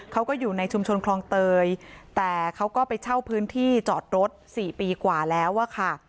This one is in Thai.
เขาก็อยู่ในชุมชนคลองเตยแต่เขาก็ไปเช่าพื้นที่จอดรถ๔ปีกว่าแล้วอะค่ะ